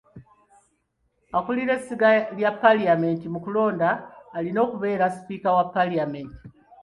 Akulira essiga lya paalamenti mu kulonda alina okubeera sipiika wa paalamenti.